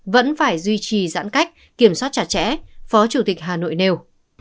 vẫn phải duy trì giãn cách kiểm soát chặt chẽ phó chủ tịch hà nội nêu